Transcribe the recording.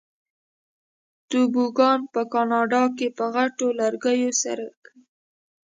توبوګان په کاناډا کې په غټو لرګیو سره کوي.